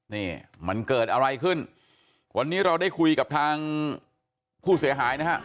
นี่มันเกิดอะไรขึ้นวันนี้เราได้คุยกับทางผู้เสียหายนะฮะ